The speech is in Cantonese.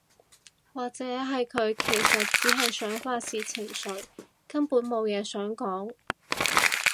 或者係佢其實只係想發洩情緒，根本無嘢想講